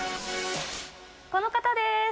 この方です。